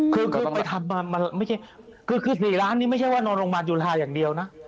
คือไปทำมาไม่ใช่คือ๔ล้านนี่ไม่ใช่ว่านอนโรงพยาบาลจุฬาอย่างเดียวนะ